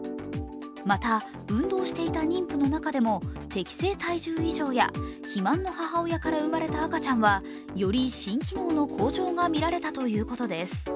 また、運動していた妊婦の中でも適正体重以上や肥満の母親から生まれた赤ちゃんはより新機能の向上がみられたということです。